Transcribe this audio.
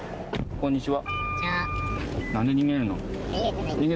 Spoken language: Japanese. こんにちは。